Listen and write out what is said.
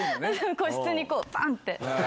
個室にこう、ばんって。